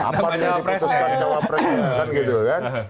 apa yang diputuskan jawab presiden gitu kan